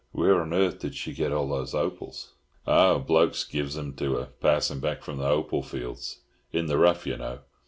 Where on earth did she get all those opals?" "Ho, blokes gives 'em to 'er, passin' back from the hopal fields. In the rough, yer know!